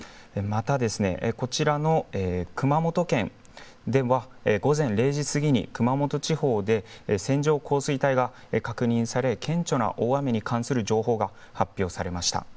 また、こちらの熊本県では午前０時過ぎに熊本地方で線状降水帯が確認され顕著な大雨に関する情報が発表されました。